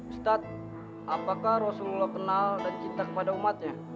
ustadz apakah rasulullah kenal dan cinta kepada umatnya